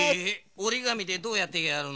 おりがみでどうやってやるの？